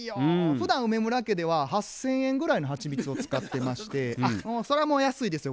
ふだん梅村家では８，０００円ぐらいのはちみつを使ってましてそれはもう安いですよ